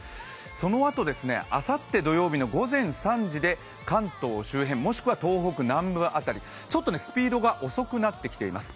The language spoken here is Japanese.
そのあと、あさって土曜日の午前３時で関東周辺、もしくは東北南部あたり、ちょっとスピードが遅くなってきています。